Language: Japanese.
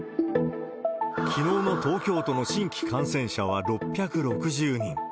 きのうの東京都の新規感染者は６６０人。